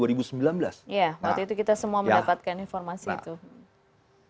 iya waktu itu kita semua mendapatkan informasi itu